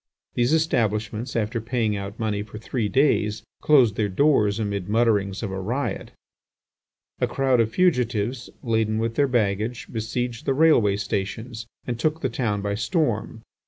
These establishments, after paying out money for three days, closed their doors amid mutterings of a riot. A crowd of fugitives, laden with their baggage, besieged the railway stations and took the town by storm.